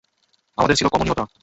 আমাদের ছিল কমনীয়তা!